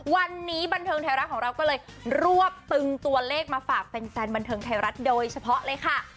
วันนี้บันเทิงไทยรัฐของเราก็เลยรวบตึงตัวเลขมาฝากแฟนบันเทิงไทยรัฐโดยเฉพาะเลยค่ะ